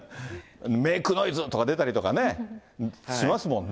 メイクノイズとか出たりね、しますもんね。